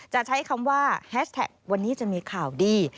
จะใช้คำว่าแฮชแท็กวันนี้จะมีข่าวดี